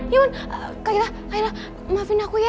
ya man kak gita kak ella maafin aku ya